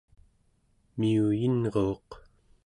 miuyinruuq